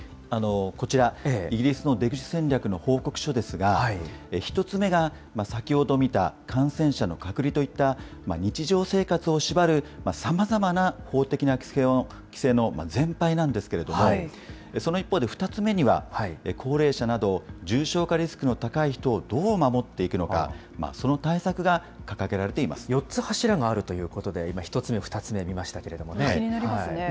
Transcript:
こちら、イギリスの出口戦略の報告書ですが、１つ目が先ほど見た、感染者の隔離といった日常生活を縛るさまざまな法的な規制の全廃なんですけれども、その一方で２つ目には、高齢者など、重症化リスクの高い人をどう守っていくのか、その対策が掲げられ４つ柱があるということで、今、１つ目、２つ目、見ましたけれどもね。